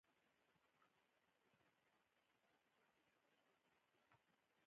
ازادي راډیو د د ښځو حقونه په اړه د خلکو وړاندیزونه ترتیب کړي.